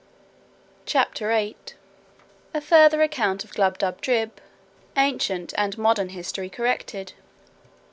CHAPTER VIII. A further account of Glubbdubdrib. Ancient and modern history corrected.